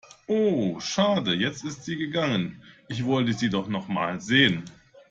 Oh schade, jetzt ist sie gegangen. Ich wollte sie doch nochmal sehen.